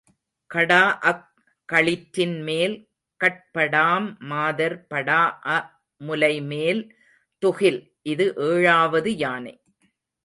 கடாஅக் களிற்றின்மேல் கட்படாம் மாதர் படாஅ முலைமேல் துகில். இது ஏழாவது யானை,